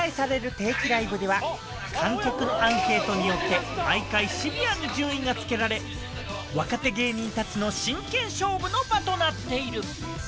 定期ライブでは、観客アンケートによって毎回シビアに順位がつけられ、若手芸人たちの真剣勝負の場となっている。